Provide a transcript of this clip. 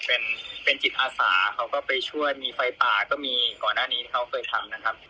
เป็นเป็นจิตอาสาเขาก็ไปช่วยมีไฟป่าก็มีก่อนหน้านี้ที่เขาเคยทำนะครับ